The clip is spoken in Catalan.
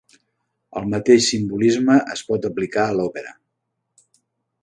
El mateix simbolisme es pot aplicar a l'òpera.